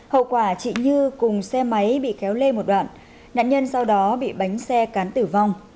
hậu quả chị như cùng xe máy bị kéo lê một đoạn nạn nhân sau đó bị bánh xe cán tử vong